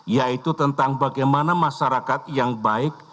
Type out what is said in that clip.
yaitu tentang bagaimana masyarakat yang baik